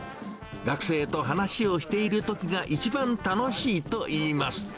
学生と話をしているときが一番楽しいといいます。